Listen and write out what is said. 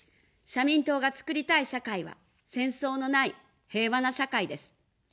社民党が作りたい社会は、戦争のない平和な社会です。